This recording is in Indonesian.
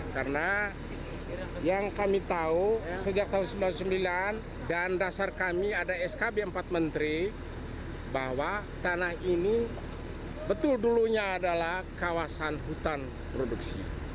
karena yang kami tahu sejak tahun seribu sembilan ratus sembilan puluh sembilan dan dasar kami ada skb empat menteri bahwa tanah ini betul dulunya adalah kawasan hutan produksi